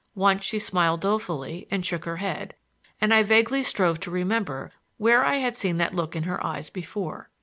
Once she smiled dolefully and shook her head, and I vaguely strove to remember where I had seen that look in her eyes before.